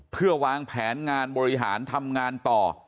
เพื่อวางแผนงานบริหารทำงานต่อ